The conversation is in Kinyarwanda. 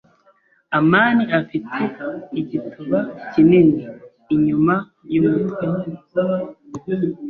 amani afite igituba kinini inyuma yumutwe.